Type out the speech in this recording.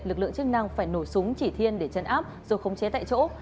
lực lượng chức năng phải nổi súng chỉ thiên để chấn áp rồi không chế tại chỗ